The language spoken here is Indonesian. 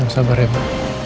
jangan sabar ya bu